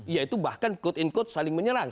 yaitu bahkan quote unquote saling menyerang